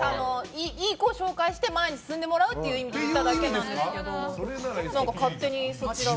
いい子紹介して前に進んでもらうという意味で言っただけなんですけど勝手にその方が。